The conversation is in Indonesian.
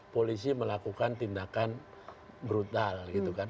polisi melakukan tindakan brutal gitu kan